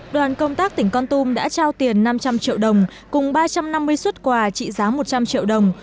đoàn công tác tỉnh con tum đã trao tiền năm trăm linh triệu đồng cùng ba trăm năm mươi xuất quà trị giá một trăm linh triệu đồng